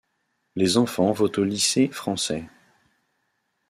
Les enfants vont au lycée français.